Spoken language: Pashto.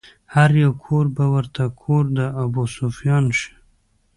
هر يو کور به ورته کور د ابوسفيان شي